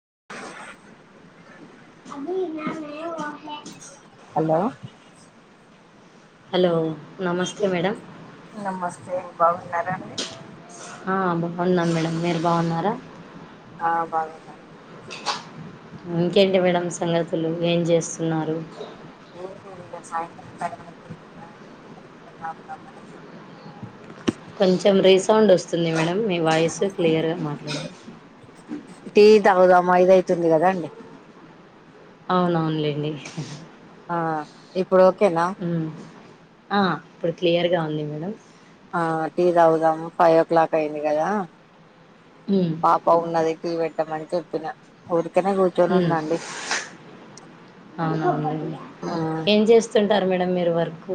[inaudible] అది న నెమే పోహే హలో హలో నమస్తే మేడమ్ నమస్తే బాగున్నారండి అ బా ఉన్నాను. మేడం మీరు బాన్నారా? ఆ బాగున్నా ఇంకేంటి మేడం సంగతులు, ఏం చేస్తున్నారు? [unintelligible] సాయంత్రం [inaudible] [inaudible] రాముదామని కొంచెం రీసౌండ్ వస్తుంది మేడం మీ వాయిస్ క్లియర్గా మాట్లాడండి తాగుదామా ఐదయీతుంది కదాండి అవునవునులేండి ఆ ఏప్ మ్ అ ఇప్పుడు క్లియర్గా మేడం ఆ టీ తాగుదాము ఫై ఓ క్లాక్ అయింది కదా ఉమ్ పాప ఉన్నది టీ వెట్టమని చెప్పిన ఉర్ మ్ అవునవున్ లెండి ఆ ఏం చేస్తు టారు మేడం మీరు వర్క్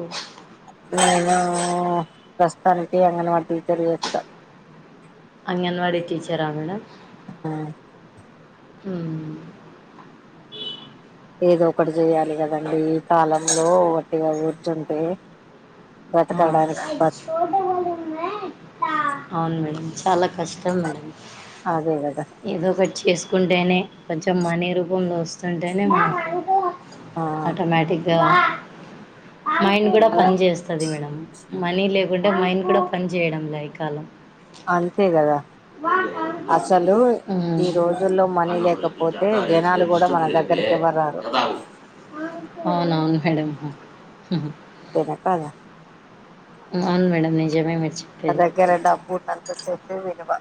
నేను ప్రస్తుతానికి అంగన్వాడీ టీచర్ చేస్తా అంగన్వాడి టీచరా మేడం? హు మ్ ఏదో ఒకటి చేయ్యాలి కదండి ఈ కాలంలో ఒట్టిగా కూర్చుంటే అ బ్రతకడానికి బత్- అవును మేడం చాలా కష్టం మేడం అదే కదా ఏదోక చేసుకుంటేనే కొంచెం మనీ రూపంలో వస్తుంటేనే మనకు ఆ ఆటోమేటిక్ గా మైండ్ కూడా పని చేస్తు ది మేడం మనీ లేకుంటే మైండ్ కూడా పని చేయడం లే ఈ కాలం అంతే కదా అసలు ఉమ్, ఈ రోజుల్లో మనీ అన్న ఊరికి లేకపోతే జాతా రేపు జనాలు కూడా డిస్టర్బ్ మన దగ్ చేయదే దరికి ఎవరు రారు కదా అవునవును మేడం హ తేన కాదా అవును మేడం నిజమే మీరు చెప్పేది దగ్గర డబ్బు ఉన్నంత సే [unintelligible] ప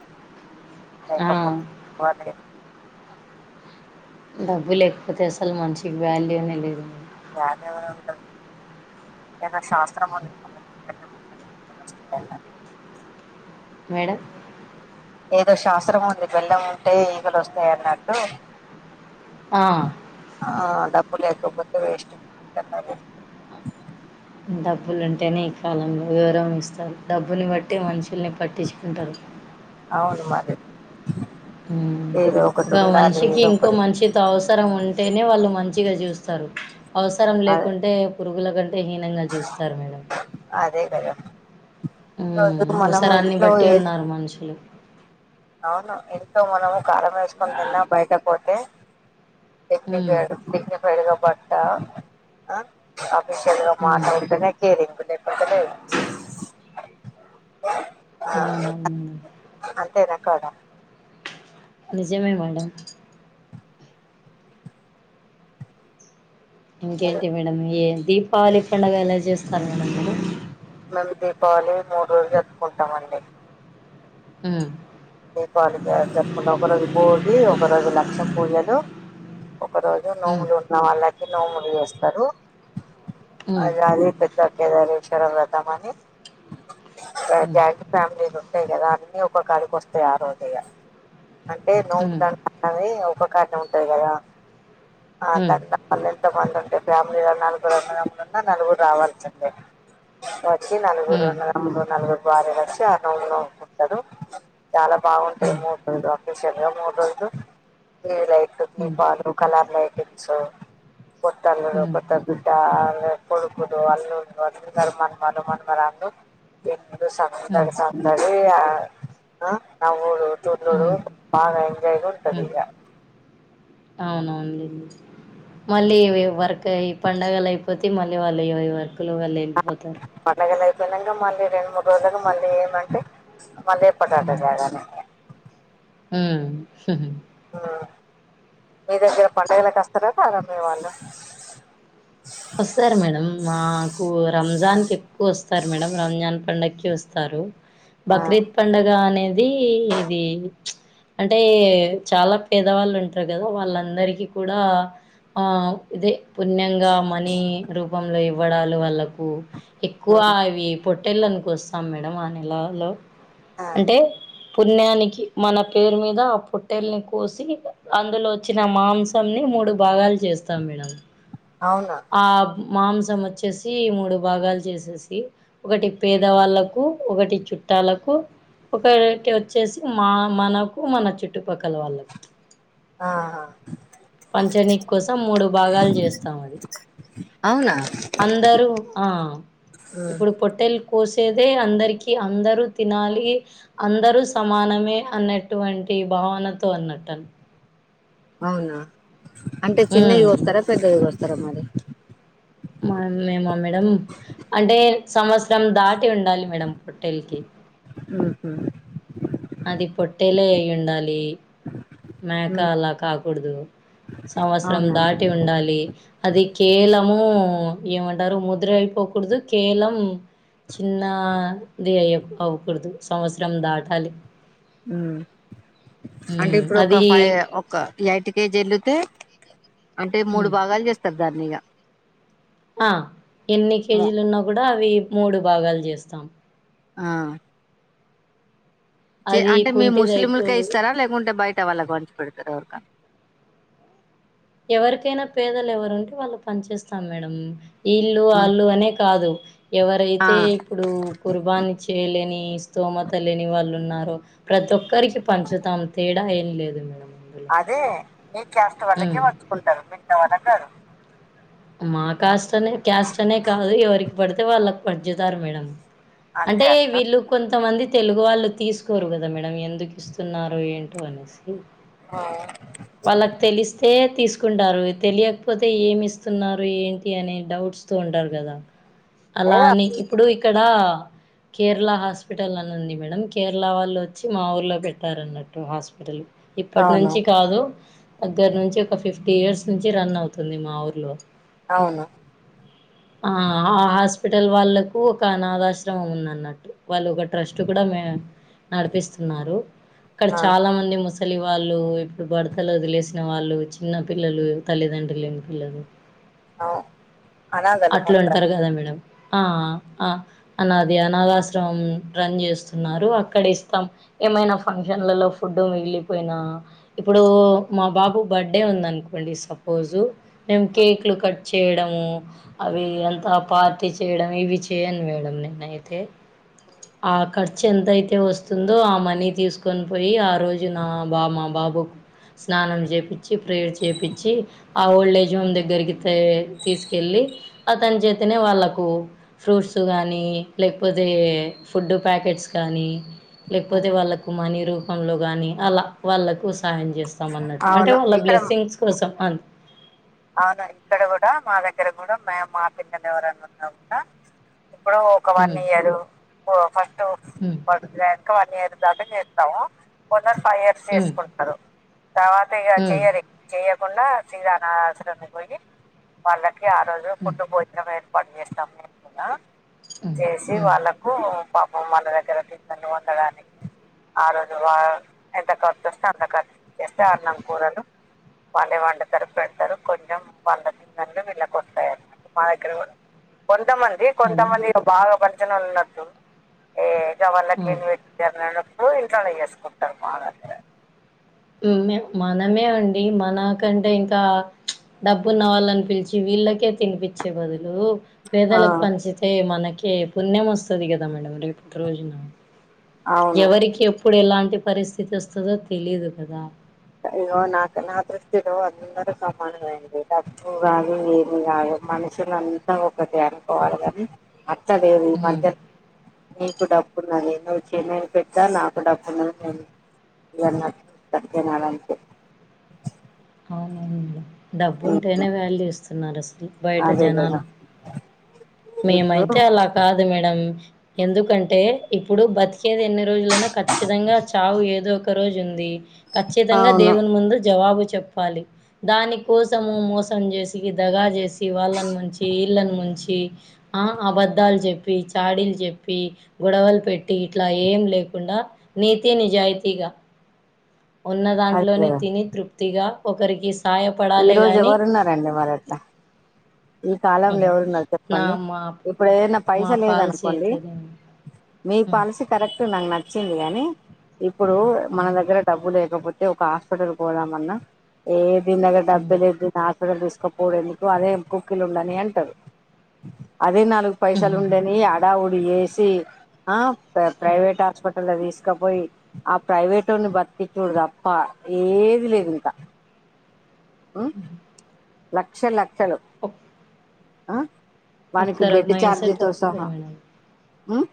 ఆ, లేకపో పోతే డబ్బు లేకపోతే అసల్ మనిషికి వాల్యూనే లేదు [inaudible] ఏదో శాస్త్రము [inaudible] మేడం ఏదో శాస్త్రం ఉంది బెల్లం ఉంటే ఈగలు వస్తాయి అన్నట్టు మేడం ఆ డబ్బు లేకపో వేస్ట్ కన్న డబ్బులు ఉంటేనే ఈ కాలంలో వివరం ఇస్తారు డబ్బుల్ని బట్టి మనుషుల్ని పట్టించుకుంటారు అవును మరి ఏదో ఒకటి ఒక ఉండాలి మనిషికి ఏదో ఇంకో ఒకటి మనిషితో అవసరం ఉంటేనే వాళ్ళు మంచిగా చూస్తారు. అవసరం అ లేకుంటే పురుగుల కంటే హీనంగా చూస్తారు మేడం. అదే కదా ఈ ఉ రోజు మనము అవసరాన్ని ఇంట్లో బట్టి ఏ ఉన్నారు మనుషులు అవును ఇంట్లో మనము కారం వేసుకొని తిన్నా బయట పోతే ఉమ్, దిగ్నిఫైడ్ దిగ్నిఫైడ్ గా బట్ట నీవు సరిగా ఉమ్, మాట్లాడుతానే చేయిరి లేకుంటే వినపడట్లేదు అవునవును కదా నిజమే మేడమ్ అదే ఇంకేంటి మేడం ఏ దీపావళి పండుగ ఎలా జేస్తారు మేడం మీరు మేము దీపావళి మూడు రోజులు జరుపుకుంటామండి ఉమ్మ్ దీపావళి జరుపుకుంటా ఒక రోజు బోగి ఒక రోజు లక్ష పూజలు ఒక రోజు ఉమ్, నోములు ఉన్న వాళ్లకి నోములు జేస్తారు ఉమ్, అది అది పెద్ద కేెదరశ్వర వ్రతమనీ ఇగ ఉమ్, జాయింట్ ఫ్యామిలీలు ఉంటాయి గదా అన్నీ ఒక్కొక్కడికి వస్తాయి ఆ రోజే ఇగ అంటే ఉమ్, నోముతానికి అది ఉపకార్య ఉంటుంది గదా ఉమ్, తండమ్ మళ్ల ఎంత మంది ఉంటే ఫ్యామిలీగా నాలుగురు నలుగురు అన్నదమ్ములు ఉన్న నలుగురు రావాల్సిందే వచ్చి వచ్చి నలుగురు ఉమ్, అన్నదమ్ములు నలుగురు భార్యలు వచ్చి ఆ నోము నోముకుంటారు చాలా బావుంటాది ఉమ్. మూడు రోజులు ఆఫీషియల్‌గా మూడు రోజులు ఈ లై హ్మ్. దీపాలు కలర్ ఎప్పిచ్చు కొత్త అల్లుడు హ్మ్. కొత్త బిడ్డ కొడుకులు అల్లులు అందరూ మన్నమాలు మన్నరాలు దేని ఇల్లు హ్మ్. సందడి సందడి ఆ ఆ నవ్వుడు తుళ్ళుడు హ్మ్. బాగా ఎంజాయ్ గా ఉంటది ఇగ అవునవునోన్లీ మళ్లీ ఈవి ఈవి వర్క్ ఈ పండుగలేయిపోతే మళ్లీ వాళ్లు అయ్యే అయ్యే వర్క్ స్కూల్ లో వాళ్లు లేళ్ళిపోతారు బలంగా మళ్లీ రెండు మూడు రోజులకి మళ్లీ ఏమంటే మళ్లీ ఏపాటాట రాగానే ఉమ్మ్ ఉహూ ఉమ్మ్ మీ దగ్గర పడుగలకస్తార కరా మీ వాళ్లు వస్తారు మేడమ్ మాకు రంజాన్ కేక్కువ వస్తారు మేడమ్ రంజాన్ పండగకి వస్తారు ఆ, బక్రీద్ పండగ అనేది ఇది మ్చ్ అంటే చాలా పేదవాళ్ళు ఉంటారు గదా వాళ్ళందరికి కూడా ఆ ఇదే పుణ్యంగా మన్ రూపంలో ఇవ్వడాలు వాళ్లకు ఎక్కువ అవి పొట్ పోటెళ్ళని కొస్తాం మేడం ఆ నెలలో ఆ, అంటే పుణ్యానికి మన పేరు మీద ఆ పొట్టెల్ని కోసి అందులో వచ్చిన మాంసాన్ని మూడు భాగాలు జేస్తాం మేడం అవునా ఆ బమ్ మాంసం వచ్చేసి మూడు భాగాలు జేసేసి ఒకటి పేదవాళ్ళలకు ఒకటి చుట్ ట్టాలకు ఒకటి వచ్చేసి మా మనకు మన చుట్టు పక్కల వాళ్లకు ఆహా. పంచనీ కోసం మూడు భాగాలు జేస్తాం అది అవునా అందరూ ఆ ఉమ్, ఇప్పుడు పొట్టే కోసేదే అందరికీ అందరూ తినాలి అందరూ సమానమే అన్నటు వంటి భావనతో అన్నట్టన్ అవునా అంటే చిన్నవి ఉమ్ గోస్తారా పెద్దయి గోస్తారా మరీ మా ఆయననేమే మేడం అంటే సంవత్సరం దాటి ఉండాలి మేడం పోటెళ్లకి ఉహు, అది పొట్టేలే అయి ఉండాలి మేకా ఉమ్, అలా కాకూడదు సంవత్సరం అవునా దాటి ఉండాలి అది కేలం ఏమంటారు ముద్ర ఇప్పకూడదు పోకూడదు కేలం చిన్నా ది అయ్య అవకూడదు సంవత్సరం దాటాలి మ్ అంటే హ్మ్. ఇప్పుడు ఒక అది ఫైవ్ ఒక ఎయిట్ కేజీ వెల్ళతే అంటే మూడు హ్మ్. భాగాలు చేస్తారు దాన్నిగ ఆ ఎన్ని కేజీలు ఉన్నా కూడా అవి మూడు భాగాలు చేస్తాం ఆ చె అది అంటే మీ ముస్లింలకే కుంటిదైకూడదు ఇస్తారా లేకుంటే బయట వాళ్ళకి పంచి పెడతారా తురక ఎవరికైనా పేదలు ఎవరు ఉంటే వాళ్ళుకు పంచేస్తా మేడం ఇళ్ళు ఉమ్, ఆళ్ళు అనే కాదు ఆ ఎవరైతే ఇప్పుడు కుర్బాన్ని చేయలేని స్తోమత లేని వాళ్ళు ఉన్నారు ప్రతి ఒక్కరికి పంచుతాం తేడా ఏం లేదు మేడం అందులో అదే మీ కస్ట్ వాళ్ళకే ఉమ్ పంచ్చుకుంటారు మిగంత వాళ్ళ కాదు మా కాస్ట్ అనే క్యాస్ట్ అనే కాదు ఎవరికి పడితే వాళ్ళకి పడుంచుతారు మేడం అంతే అంటే అంటారు వీళ్ళు కొంతమంది తెలుగు వాళ్ళు తీసుకోరు కదా మేడం ఎందుకు ఇస్తున్నారో ఏంటో అనేసి వాళ్ళకు తెలిస్తే తీసుకుంటారు తెలియకపోతే ఏమి ఇస్త స్తున్నారు ఏంటి అనే డౌట్స్ తో ఉంటారు కదా అలాని ఇప్పుడు క్కడ కేరళ హాస్పిటల్ అని ఉంది మేడం కేరళ వాళ్ళు వచ్చి మా ఊర్లో పెట్టారు అన్నట్టు హాస్పిటల్ ఇప్పటి అవును నుంచి కాదు దగ్గర నుంచి ఒక ఫిఫ్టీ ఇయర్స్ నుంచి రన్ అవుతుంది మా ఊర్లో అవును ఆ ఆ హాస్పిటల్ వాళ్ళకు ఒక అనాథాశ్రమం ఉంది అన్నట్టు వాళ్ళు ఒక ట్రస్ట్ కూడా మే నడిపిస్తున్నారు ఇక్కడ ఆ చాలా మంది ముస ముసలి వాళ్ళు ఇప్పుడు భర్తలు వదిలేసిన వాళ్ళు చిన్న పిల్లలు తల్లిదండ్రు లేని పిల్లలు ఆ అట్లా ఉంటారు కదా మేడం ఆ ఆ అనాది అనాథాశ్రమం రన్ చేస్తున్నారు అక్కడ ఇస్తాం ఏమైనా ఫంక్షన్లలో ఫుడ్ మిగిలిపోయినా ఇప్పుడు మా బాబు బర్త్డే ఉందను కొండి సపోజు మేము కేక్లు కట్ చేయడము అవి అంత పార్టీ చేయడం ఇవి చేయను మేడం నేనయితే ఆ ఖర్చు ఎంతయితే వస్తుందో ఆ మనీ తీసుకొని పోయి ఆ రోజు నా బా మా బా బాబు స్నానం చేపిచి ప్రేయర్ చేపిచి ఆ ఓల్డేజ్ హోమ్ దగ్గరికి తె తీసుకెళ్ళి అతని చేతినే వాళ్ళకు ఫ్రూట్స్ కానీ లేకపోతే ఫుడ్ ప్యాకెట్స్ గానీ లేకపోతే వాళ్ళకు మనీ రూపంలో గానీ అలా వాళ్ళకు సాయం చేస్ స్తా అన్నట్టు అంటే అవును వాళ్ళ ఇక్కడ బ్లస్సింగ్స్ కోసం అం అవును ఇక్కడ కూడా మా దగ్గర కూడా మేము మా పిల్లని ఎవరనా ఉన్నా కూడా ఇప్పుడు ఒక one hmm year first hmm one year దాటే చేస్తాము కొందరు ఫైవ్ ఇయర్స్ హ్మ్ చేసుకుంటరు తర్వాత ఇక హ్మ్ చెయరు చె కుండా శ్రీరానాశ్ర పోయి వాళ్ళకి ఆ రోజు హ్మ్ ఫుడ్ భోజనం పె ఏర్పాటు చేస్తాం మేము కూడా హ్మ్ చేసి హ్మ్ వాళ్ళకు పాపం వల్ల దగ్గర తినడానికి ఉండడానికి ఆ రోజు వా ఎంత ఖర్చుొస్తే అంత ఖర్చు చేస్తే అన్నం కూరలు వాళ్ళే వండుతరు పెడతరు కొంచెం వాళ్ళది తిన్నన్ని విల్లకొస్తాయ్ అన్నట్టు మా దగ్గర కు కొంతమంది అదే కొంతమంది బాగా పరిచన ఉన్నట్టు ఏ ఇ వాళ్ళకి ఆ పెట్నారప్పుడు ఇంట్లోనే చేసుకుంటారు మా దగ్గర పుణ్యం మనమే అండి మనకంటే ఇంకా డబ్బు ఉన్నవాళ్ళని పిలిచి వీళ్ళకే తినిపించే బదులు ఆ పేదలకు పంచితే మనకి పుణ్యం వస్తది కదా మేడం రేపు రోజున అవును ఎవరికి ఎప్పుడు ఎలాంటి పరిస్థితి వస్తదో తెలీదు కదా ఇగో నాకు నా దృష్టిలో అందరు సమానమేనండి డబ్బు కాదు ఏది కాదు మనుషుల అంతా ఒకటే అనుకోవాలి కాని అట్ల లేదు హ్మ్. మధ్య నీకు డబ్బు అకున్నా నే నువ్వు చెన్నై పెట్టా నాకు డబ్బు ఉన్నది నేను ఇన్నట్ ఉంటది తినాలంటే అవునండి డబ్బు ఉంటేనే వ్యాల్యూ ఇస్తున్నారు అసలు బయట అదే కదా జనాలు ఇప్పుడు మేమైతే అలా కాదు మేడం ఎందుకంటే ఇప్పుడు బతికేది ఎన్ని రోజులైనా ఖచ్చితంగా చావు ఏదో ఒక రోజు ఉంది ఖచ్చితంగా అవును దేవుని ముందు జవాబు చెప్పాలి దాని కోసము మోసం చేసి దగా చేసి వాళ్ళని ముంచి వీళ్ళని ముంచి ఆ అబద్దాలు చెప్పి చాడీలు చెప్పి గొడవలు పెట్టి ఇట్లా ఏం లేకుండా నీతి నిజాయితిగా ఉన్న అదే దాంట్లోనే కదా తిని తృప్తిగా ఒకరికిస్త ఈ సాయపడాలి రోజు కానీ ఎవరున్నారండి మరి అట్లా ఈ కాలంలో ఎవరున్నారు చెప్పండి మా ఇప్పుడు ఏదైనా పైస మా పాలసీ లేదనుకోండి అయితే అదే. మీ హ్మ్. పాలసీ కరెక్ట్ నాకు నచ్చింది కానీ ఇప్పుడు మన హ్మ్. దగ్గర డబ్బు లేకపోతే ఒక హాస్పిటల్ పోదాం అన్నా ఏ దీని దగ్గర డబ్బే హ్మ్. లేదు తీసుకపోవుడు ఎందుకు అదే కుక్కిలు ఉండని అంటరు అదే నాలుగు పైసలు హుహుహు. ఉండని అడావుడి చెసి ఆ ఆహ్, ప్రైవేట్ హాస్పిటల్ తిస్ తీసక పోయి ఆ ప్రైవేటోన్ని బతికించుడు తప్ప ఏది లేదు ఇంకా మ్ లక్ష లక్షలు ఒక్ ఆ వానీకి ఒక్కరు బెడ్డి మైండ్ సెట్ చార్జీతో ఒక్కొక్కరు సహా మేడం. మ్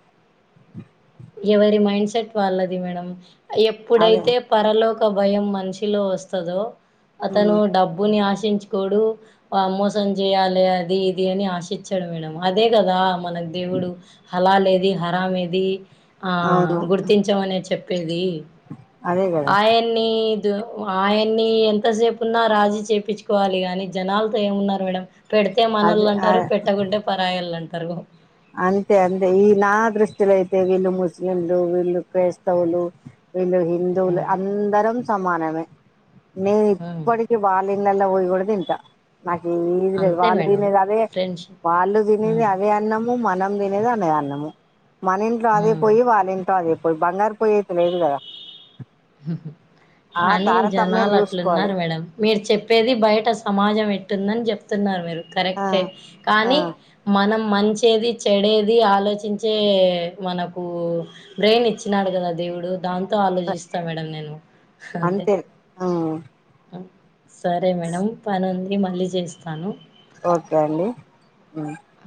ఎవరి మైండ్ సెట్ వాళ్ళది మేడం అదే ఎప్పుడైతే పరలోక భయం మనిషిలో వస్తదో అతను ఉమ్ డబ్బుని ఆశ చుకోడు మోసం చేయాలి అది ఇది అని ఆశించాడు మేడం అదే కదా మనకు దేవుడు హలాలేది హరాం ఏది ఆ అవును గుర్తించమనే చెప్పేది అదే కదా ఆయన్ని ఆయన్ని ఎంతసేపున్నా రాజీ చేపిచుకోవాలి కానీ జనాలతో ఏమున్నరు మేడం పెడితే మనోళ్లంటరు అదే పెట్టకుంటే పరాయోలు అంటరు అంతే అంతే ఈ నా దృష్టిలో అయితే వీళ్ళు ముస్లింలు వీళ్ళు క్రైస్తవులు వీళ్ళు హిందువులు ఉమ్ అందరం సమానమే నే ఉమ్ ఇప్పటిక వాళ్ ఇళ్లల్లో కూడా పోయి తింటా నాకు ఏది తెలువదు అంతే వాళ్ళు మేడం తినేది అదే ఫ్రెండ్షిప్ వాళ్ళు తినేది ఉమ్ అదే అన్నం మనం తినేది అనే అన్నము మన ఇంట్లో అదే ఉమ్ పోయ్యి వాళ్ళింట్లో అది పోయి బంగారు పొయ్యి అయితె లేదు కదా ఆ కానీ తారతమ్యం జనాలు చూసుకోవాలి అట్లున్నారు మేడం మీరు చెప్పేది బయట సమాజం ఎట్టుందని చెప్ తున్నారు మీరు ఆ కరెక్టే ఆ కానీ మనం మంచేది చెడేది ఆలోచించే మనకు బ్రెయిన్ ఇచ్చినాడు కదా అది దేవుడు దాంతో ఆలోచిస్తా మేడం నేను అంతే ఉమ్, సరే మేడంమ్ పని ఉంది మళ్ళీ చేస్తాను ఓకే అండి ఆ